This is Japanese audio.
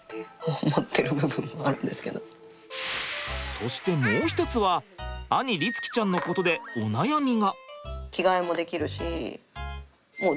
そしてもう一つは兄律貴ちゃんのことでお悩みが。